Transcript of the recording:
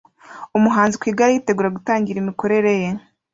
Umuhanzi ku igare yitegura gutangira imikorere ye